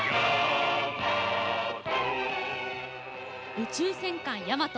「宇宙戦艦ヤマト」。